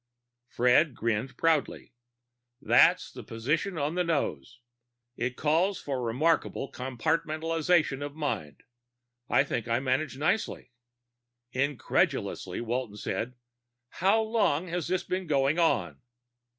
Fred grinned proudly. "That's the position on the nose. It calls for remarkable compartmentalization of mind. I think I manage nicely." Incredulously Walton said, "How long has this been going on?"